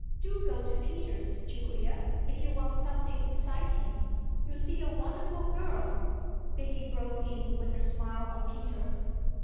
"Do go to Peter's, Julia, if you want something exciting. You'll see a wonderful girl," Biddy broke in with her smile on Peter.